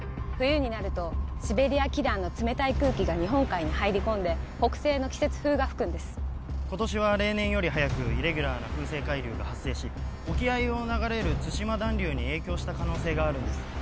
冬になるとシベリア気団の冷たい空気が日本海に入り込んで北西の季節風が吹くんです今年は例年より早くイレギュラーな風成海流が発生し沖合を流れる対馬暖流に影響した可能性があるんです